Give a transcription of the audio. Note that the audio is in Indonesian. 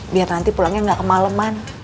biar nanti pulangnya nggak kemaleman